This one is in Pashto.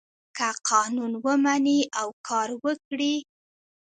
که قانون ومني او کار وکړي.